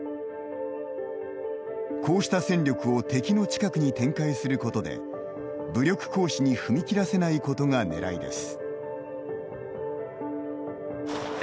こうした戦力を敵の近くに展開することで武力行使に踏み切らせないことがねらいです。